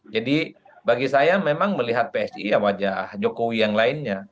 jadi bagi saya memang melihat psi ya wajah jokowi yang lainnya